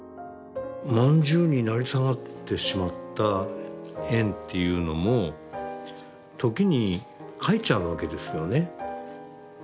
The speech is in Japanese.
饅頭に成り下がってしまった円っていうのも時に描いちゃうわけですよね。